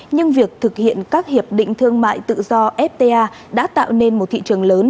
nhưng việc thực hiện các hiệp định thương mại tự do fta đã tạo nên một thị trường lớn